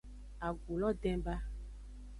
Agu lo den ba.